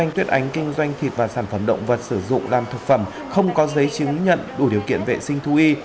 thịt và sản phẩm động vật sử dụng làm thực phẩm không có giấy chứng nhận đủ điều kiện vệ sinh thu y